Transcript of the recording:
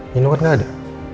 nino kan gak ada